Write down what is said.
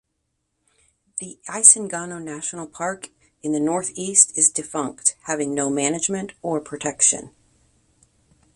The Isangano National Park in the north-east is defunct, having no management or protection.